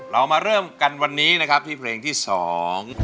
เรามาเริ่มกันวันนี้นะครับที่เพลงที่สอง